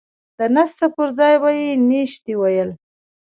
د نسته پر ځاى به يې نيشتې ويل.